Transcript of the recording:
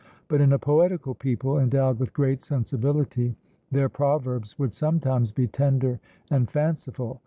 But in a poetical people, endowed with great sensibility, their proverbs would sometimes be tender and fanciful.